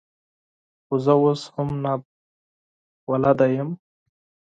خو زه اوس هم نابلده یم .